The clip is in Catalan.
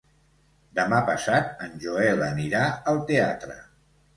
Demà passat en Joel anirà al teatre.